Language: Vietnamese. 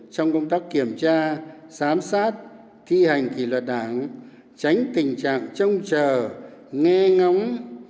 trong công tác kiểm tra giám sát thi hành kỷ luật đảng tránh tình trạng trông chờ nghe ngóng